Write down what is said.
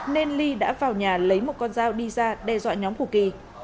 nên ly đã vào nhà lấy một con dao đi ra đe dọa nhóm của kỳ